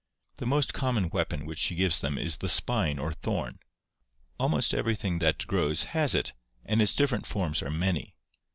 The most common weapon which she gives them is the spine or thorn. Al most everything that grows has it and its different forms are many.